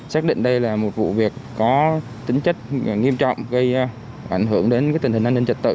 xác định đây là một vụ việc có tính chất nghiêm trọng gây ảnh hưởng đến tình hình an ninh trật tự